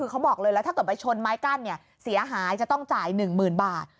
คือเขาบอกเลยแล้วถ้าเกิดไปชนไม้กั้นเนี้ยเสียหายจะต้องจ่ายหนึ่งหมื่นบาท